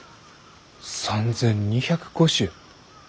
３，２０５種？